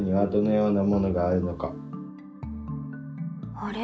あれ？